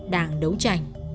đang đấu tranh